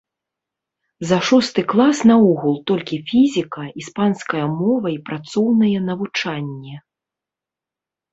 За шосты клас наогул толькі фізіка, іспанская мова і працоўнае навучанне.